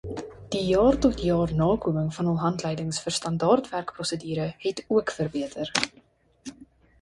Die jaar-tot-jaar-nakoming van hul handleidings vir standaardwerkprosedure het ook verbeter.